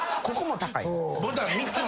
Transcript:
ここも高い。